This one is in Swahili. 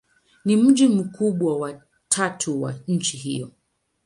Ni mji mkubwa wa tatu wa nchi hiyo.